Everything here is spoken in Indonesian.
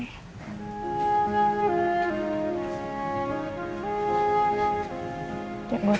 apakah yang nanti